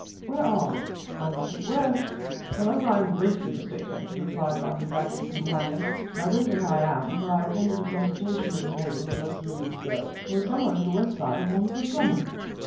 "Where are we?" I muttered "where ..." "Unless I am greatly mistaken," replied my bedraggled companion, "and I don't think I am, for I attended a consultation in this neighborhood less than a week ago, we somewhere on the west side of Wandsworth Common!"